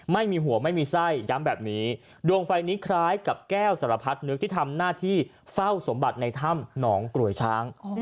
ไม่มีหัวไม่มีไส้ย้ำแบบนี้ดวงไฟนี้คล้ายกับแก้วสารพัดนึกที่ทำหน้าที่เฝ้าสมบัติในถ้ำหนองกลวยช้าง